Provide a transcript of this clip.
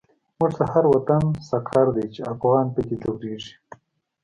موږ ته هر وطن سقر دی، چی افغان په کی ځوريږی